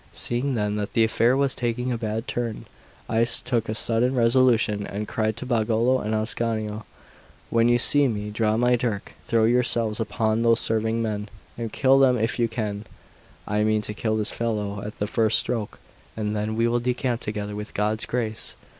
Seeing then that the affair was taking a bad turn, I took a sudden resolution, and cried to Pagolo and Ascanio: "When you see me draw my dirk, throw yourselves upon those serving men, and kill them if you can; I mean to kill this fellow at the first stroke, and then we will decamp together, with God's grace."